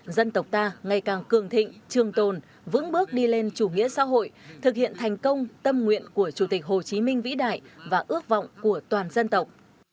dân tộc ta ngày càng cường thịnh trường tồn vững bước đi lên chủ nghĩa xã hội thực hiện thành công tâm nguyện của chủ tịch hồ chí minh vĩ đại và ước vọng của toàn dân tộc